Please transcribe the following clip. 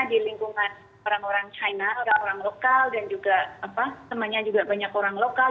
di lingkungan orang orang china orang orang lokal dan juga temannya juga banyak orang lokal